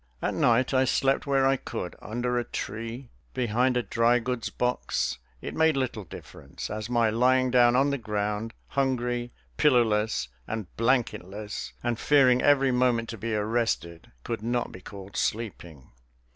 At night I slept where I could under a tree, behind a drygoods box; it made little difference, as my lying down on the ground, hungry, pillowless, and blanketless, and fearing every moment to be arrested, could not be called sleeping.